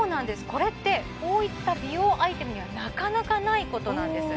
これってこういった美容アイテムにはなかなかないことなんです